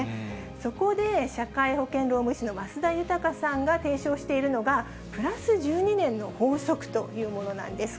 そこで社会保険労務士の増田豊さんが提唱しているのが、プラス１２年の法則というものなんです。